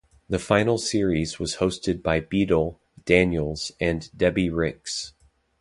The final series was hosted by Beadle, Daniels and Debbie Rix.